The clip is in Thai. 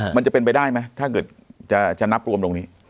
มันจะเป็นไปได้ไหมถ้าเกิดจะนับรวมตรงนี้